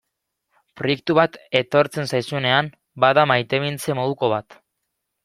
Proiektu bat etortzen zaizunean bada maitemintze moduko bat.